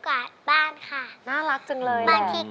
แล้วน้องใบบัวร้องได้หรือว่าร้องผิดครับ